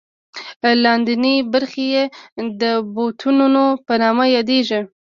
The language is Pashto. لاندینۍ برخې یې د بطنونو په نامه یادېږي.